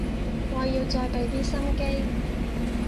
我要再畀啲心機